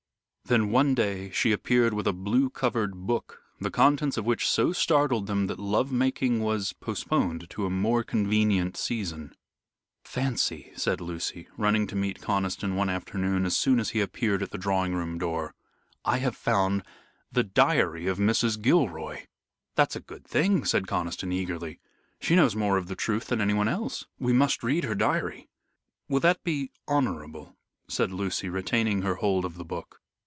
Then one day, she appeared with a blue covered book, the contents of which so startled them that love making was postponed to a more convenient season. "Fancy," said Lucy, running to meet Conniston one afternoon as soon as he appeared at the drawing room door, "I have found the diary of Mrs. Gilroy." "That's a good thing," said Conniston, eagerly. "She knows more of the truth than anyone else. We must read her diary." "Will that be honorable?" said Lucy, retaining her hold of the book.